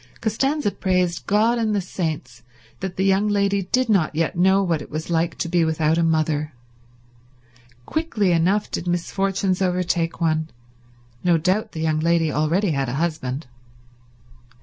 Costanza praised God and the saints that the young lady did not yet know what it was like to be without a mother. Quickly enough did misfortunes overtake one; no doubt the young lady already had a husband.